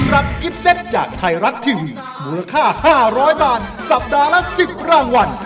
รับกิฟเซตจากไทยรัฐทีวีมูลค่า๕๐๐บาทสัปดาห์ละ๑๐รางวัล